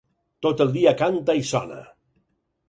Tot el dia canta i sona.